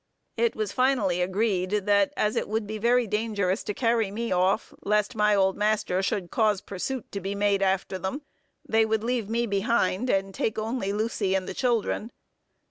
"It was finally agreed, that as it would be very dangerous to carry me off, lest my old master should cause pursuit to be made after them, they would leave me behind, and take only Lucy and the children.